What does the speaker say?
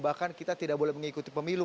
bahkan kita tidak boleh mengikuti pemilu